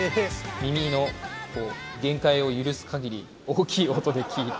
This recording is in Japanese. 耳の限界を許すかぎり、大きい音で聴いて。